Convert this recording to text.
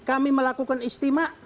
kami melakukan istimewa